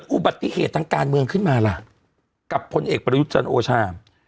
อุบัติเหตุทางการเมืองขึ้นมาล่ะกับพลเอกประยุทธ์จันทร์โอชา